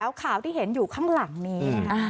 ขาวที่เห็นอยู่ข้างหลังนี้